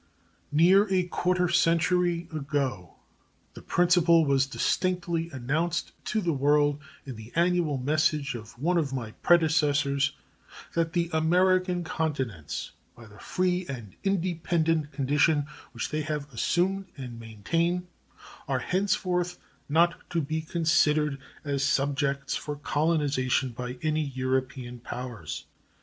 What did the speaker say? Near a quarter of a century ago the principle was distinctly announced to the world, in the annual message of one of my predecessors, that The American continents, by the free and independent condition which they have assumed and maintain, are henceforth not to be considered as subjects for colonization by any European powers.